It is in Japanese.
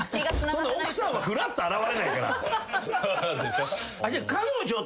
奥さんはふらっと現れないから。